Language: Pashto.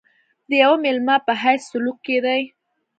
د یوه مېلمه په حیث سلوک کېدی.